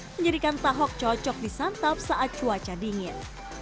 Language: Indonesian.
menjadikan tahok cocok disantap saat cuaca dingin